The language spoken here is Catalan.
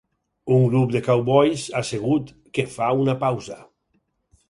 Un grup de cowboys asseguts que fa una pausa